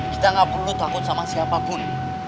kita nggak perlu takut sama siapapun